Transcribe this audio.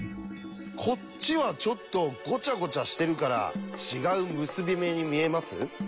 こっちはちょっとごちゃごちゃしてるから違う結び目に見えます？